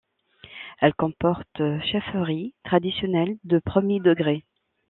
Elle comporte chefferie traditionnelle de premier degré.